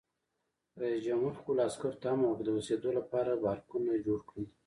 رئیس جمهور خپلو عسکرو ته امر وکړ؛ د اوسېدو لپاره بارکونه جوړ کړئ!